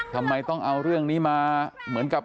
ทำไมต้องเอาเรื่องนี้มาเหมือนกับ